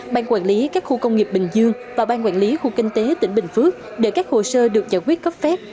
ban quản lý các khu công nghiệp bình dương và ban quản lý khu kinh tế tỉnh bình phước để các hồ sơ được giải quyết cấp phép